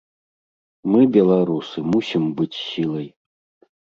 Мы, беларусы, мусім быць сілай.